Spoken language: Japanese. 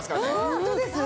ホントですね。